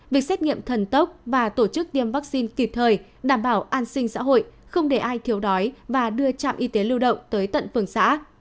việc xét nghiệm thần tốc và tổ chức tiêm vaccine kịp thời đảm bảo an sinh xã hội không để ai thiếu đói và đưa trạm y tế lưu động tới tận phường xã